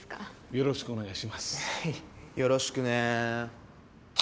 よろしくお願いします。